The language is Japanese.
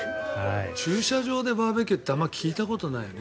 駐車場でバーベキューってあまり聞いたことないね。